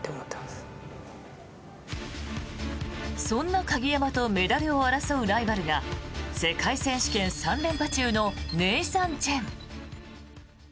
そんな鍵山とメダルを争うライバルが世界選手権３連覇中のネイサン・チェン。